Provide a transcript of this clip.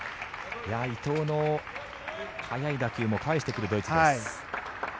伊藤の速い打球も返してくるドイツです。